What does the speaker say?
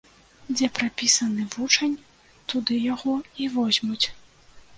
Дзе прапісаны вучань, туды яго і возьмуць.